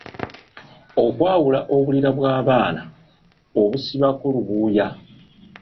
Okwawula obulira bw’abaana obusibako lubuuya.